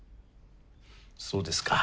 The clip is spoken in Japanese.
そうですか。